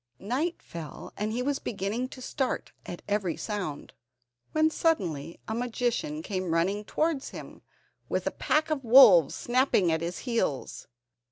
Night fell, and he was beginning to start at every sound, when suddenly a magician came running towards him, with a pack of wolves snapping at his heels.